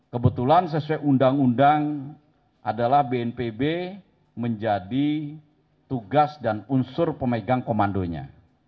kebetulan sesuai undang undang adalah bnpb menjadi tugas dan unsur pemegang komandonya